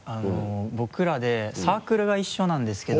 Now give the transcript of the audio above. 僕らでサークルが一緒なんですけど。